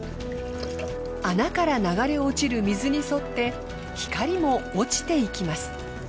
穴から流れ落ちる水に沿って光も落ちていきます。